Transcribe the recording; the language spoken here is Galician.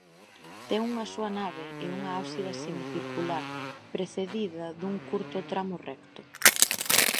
Ten unha soa nave e unha ábsida semicircular precedida dun curto tramo recto.